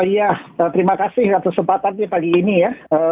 ya terima kasih atas kesempatan pagi ini ya